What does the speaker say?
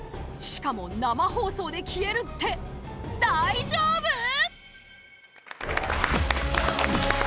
しかも生放送で消えるって大丈夫！？